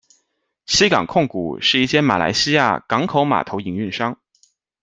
西港控股是一间马来西亚港口码头营运商。